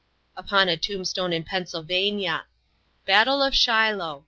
Upon a tombstone in Pennsylvania: "Battle of Shiloh.